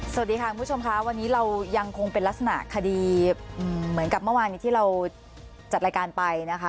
สวัสดีค่ะคุณผู้ชมค่ะวันนี้เรายังคงเป็นลักษณะคดีเหมือนกับเมื่อวานนี้ที่เราจัดรายการไปนะคะ